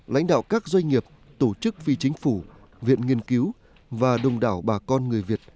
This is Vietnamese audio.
lãnh đạo các doanh nghiệp tổ chức phi chính phủ viện nghiên cứu và đồng đảo bà con người việt